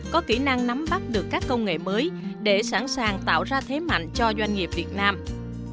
có kỹ năng nắm bắt được các công nghệ mới để sẵn sàng tạo ra thế mạnh cho doanh nghiệp việt nam